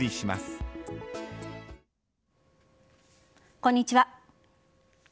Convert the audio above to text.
こんにちは。